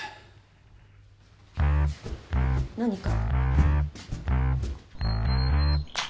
何か？